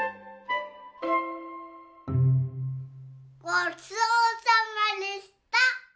ごちそうさまでした！